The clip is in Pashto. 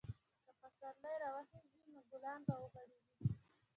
که پسرلی راورسیږي، نو ګلان به وغوړېږي.